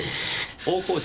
大河内